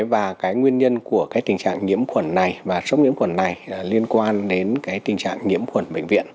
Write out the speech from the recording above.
và nguyên nhân của tình trạng nhiễm khuẩn này và sốc nhiễm khuẩn này liên quan đến tình trạng nhiễm khuẩn bệnh viện